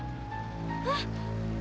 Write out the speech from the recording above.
kak tolongin kak